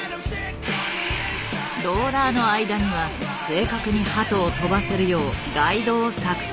ローラーの間には正確に鳩を飛ばせるようガイドを作製。